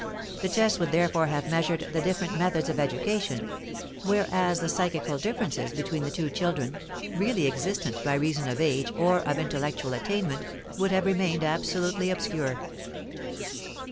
The test would therefore have measured the different methods of education, whereas the psychical differences between the two children, really existent by reason of age or of intellectual attainment, would have remained absolutely obscure.